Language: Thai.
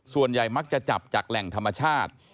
ส่วนใหญ่มักจะจับจากแหล่งธรรมชาติ